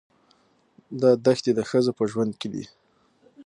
دا دښتې د ښځو په ژوند کې دي.